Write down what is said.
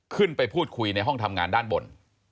ขึ้นไปพูดคุยในห้องทำงานด้านบน